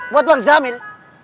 buat bang jamil